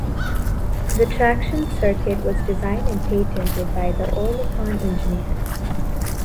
The traction circuit was designed and patented by the Oerlikon engineers.